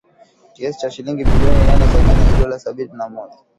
Kiasi cha shilingi bilioni nane za Kenya Dola Sabini na moja